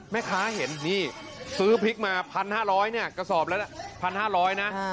แม่ค้าเห็นนี่ซื้อพริกมา๑๕๐๐เนี่ยกระสอบละ๑๕๐๐นะ